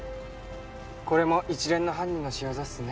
これも一連の犯人の仕業っすね。